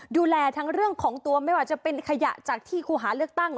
ดูแลทั้งเรื่องของตัวไม่ว่าจะเป็นขยะจากที่ครูหาเลือกตั้ง